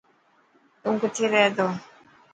تو ڪٿي رهي ٿو.